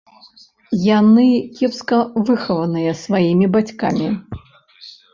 Яны кепска выхаваныя сваімі бацькамі.